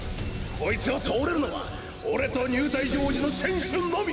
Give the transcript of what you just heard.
こいつを通れるのは俺と入退場時の選手のみ。